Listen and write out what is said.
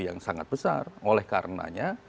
yang sangat besar oleh karenanya